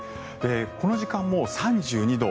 この時間、もう３２度。